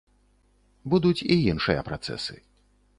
Будуць і іншыя працэсы.